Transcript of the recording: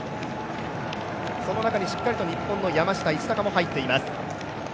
その中にしっかりと日本の山下一貴も入っています。